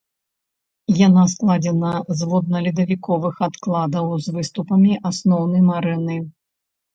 Яна складзена з водна-ледавіковых адкладаў з выступамі асноўнай марэны.